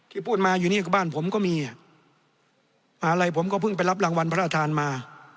พูดมาอยู่นี่ก็บ้านผมก็มีอะไรผมก็เพิ่งไปรับรางวัลพระอาจารย์มา